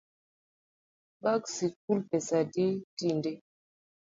Bag sikul pesa adi tinde?